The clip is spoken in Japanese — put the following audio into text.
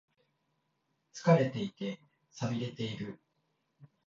疲れていて、寂れている。